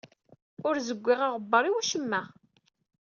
Ur zewwiɣ aɣebbar i wacemma.